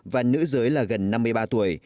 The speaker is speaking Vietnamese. và nữ giới là gần năm mươi ba tuổi